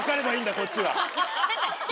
こっちは。